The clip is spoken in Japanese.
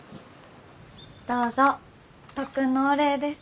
どうぞ特訓のお礼です。